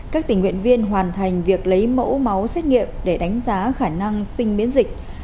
các tình nguyện viên hoàn thành việc lấy mẫu máu xét nghiệm để đánh giá khả năng sinh biến dịch